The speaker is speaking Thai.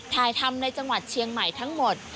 ถ่ายทำในจังหวัดเชียงใหม่ทั้งหมด